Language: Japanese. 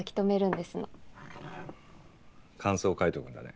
感想を書いとくんだね。